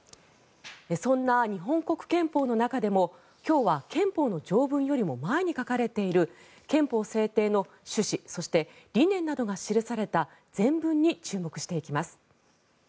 そんな日本国憲法の中でも今日は憲法の条文よりも前に書かれている憲法制定の趣旨そして理念などが記された前文に注目していきます。